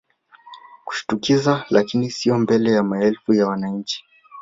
kushtukiza lakini sio mbele ya maelfu ya wananchi